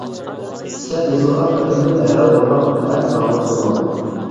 سەت يېزىلغان خېتىمدىن ھەيران بولماڭ ھەم زاڭلىق قىلماڭ.